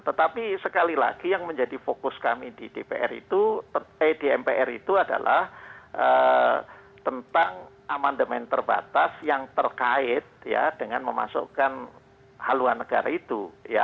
tetapi sekali lagi yang menjadi fokus kami di dpr itu di mpr itu adalah tentang amandemen terbatas yang terkait dengan memasukkan haluan negara itu